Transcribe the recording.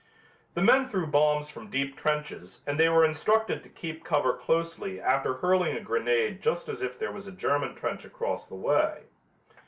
The men threw bombs from deep trenches and they were instructed to keep cover closely after hurling a grenade just as if there was a German trench across the way.